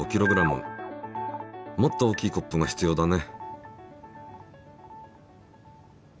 もっと大きいコップが必要だね。